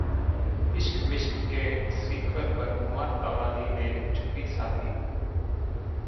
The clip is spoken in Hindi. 'इश्क विश्क' के सीक्वल पर कुमार तौरानी ने चुप्पी साधी